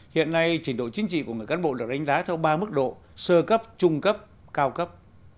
hiện nay trình độ chính trị của người cán bộ được đánh giá theo ba mức độ sơ cấp trung cấp cao cấp